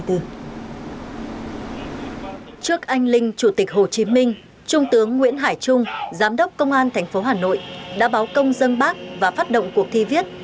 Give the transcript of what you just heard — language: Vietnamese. trước anh linh chủ tịch hồ chí minh trung tướng nguyễn hải trung giám đốc công an tp hà nội đã báo công dân bác và phát động cuộc thi viết